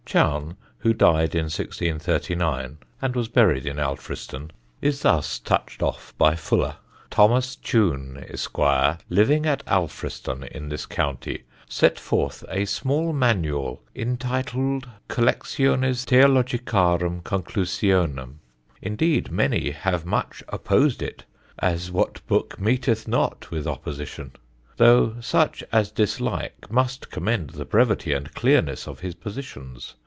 Chowne, who died in 1639, and was buried at Alfriston, is thus touched off by Fuller: "Thomas Chune, Esquire, living at Alfriston in this County, set forth a small Manuall, intituled Collectiones Theologicarum Conclusionum. Indeed, many have much opposed it (as what book meeteth not with opposition?); though such as dislike must commend the brevity and clearness of his Positions.